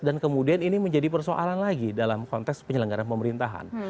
dan kemudian ini menjadi persoalan lagi dalam konteks penyelenggaran pemerintahan